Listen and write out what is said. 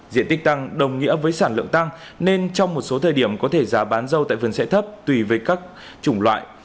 diện tích tăng đồng nghĩa với sản lượng tăng nên trong một số thời điểm có thể giá bán dâu tại vườn sẽ thấp tùy với các chủng loại